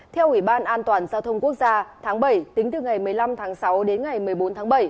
theo ủy ban an toàn giao thông quốc gia tháng bảy tính từ ngày một mươi năm tháng sáu đến ngày một mươi bốn tháng bảy